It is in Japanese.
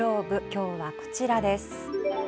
きょうは、こちらです。